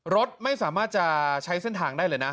รถไม่สามารถจะใช้เส้นทางได้เลยนะ